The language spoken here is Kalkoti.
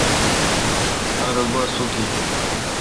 ار گوا سوکیل۔